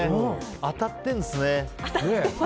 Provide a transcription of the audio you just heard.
当たってるんですね。